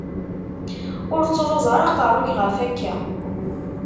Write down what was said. Ur ttruẓ ara aqerru-k ɣef akka!